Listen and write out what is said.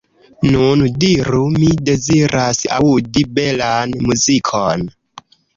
Nun diru: mi deziras aŭdi belan muzikon.